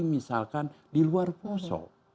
misalkan di luar posok